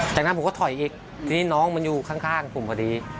จากนั้นผมก็ถอยอีกทีนี้น้องมันอยู่ข้างผมพอดี